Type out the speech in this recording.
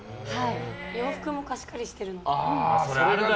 洋服も貸し借りしてるので。